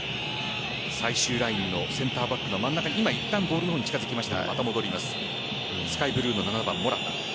最終ラインのセンターバックの真ん中に、今いったんボールの方に近づきました。